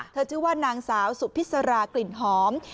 ชื่อว่านางสาวสุพิษรากลิ่นหอม